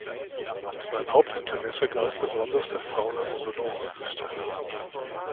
Sein Hauptinteresse galt besonders der Fauna der Sonora-Wüste.